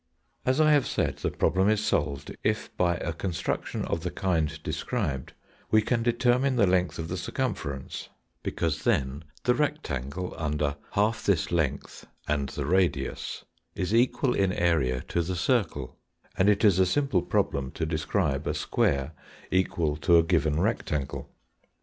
As I have said, the problem is solved, if, by a construction of the kind described, we can determine the length of the circumference; because then the rectangle under half this length and the radius is equal in area to the circle, and it is a simple problem to describe a square equal to a given rectangle.